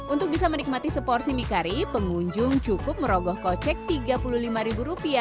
untuk bisa menikmati seporsi mie kari pengunjung cukup merogoh kocek rp tiga puluh lima